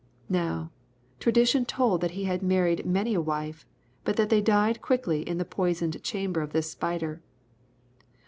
Now, tradition told that he had married many a wife, but that they died quickly in the poisoned chamber of this spider.